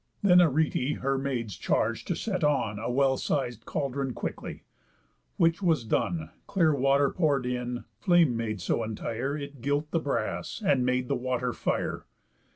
Then Arete her maids charg'd to set on A well siz'd caldron quickly. Which was done, Clear water pour'd in, flame made so entire, It gilt the brass, and made the water fire.